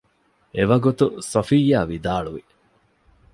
އެވަގުތު ޞަފިއްޔާ ވިދާޅުވި